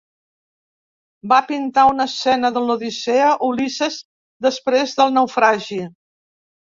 Va pintar una escena de "L'Odissea", "Ulisses després del naufragi".